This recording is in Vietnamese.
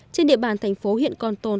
trên địa bàn tp hcm còn tồn